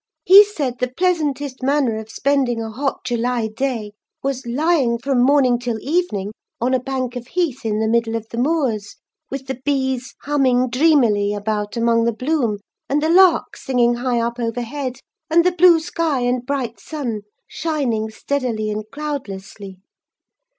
He said the pleasantest manner of spending a hot July day was lying from morning till evening on a bank of heath in the middle of the moors, with the bees humming dreamily about among the bloom, and the larks singing high up overhead, and the blue sky and bright sun shining steadily and cloudlessly.